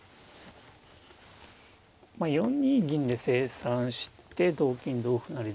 ４二銀で清算して同金同歩成同玉。